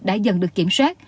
đã dần được kiểm soát